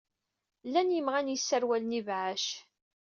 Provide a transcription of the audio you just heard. Llan yimɣan yesserwalen ibɛac.